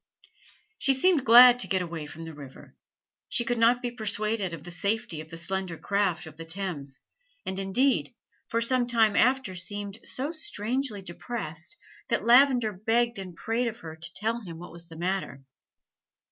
She seemed glad to get away from the river. She could not be persuaded of the safety of the slender craft of the Thames; and indeed, for some time after seemed so strangely depressed that Lavender begged and prayed of her to tell him what was the matter.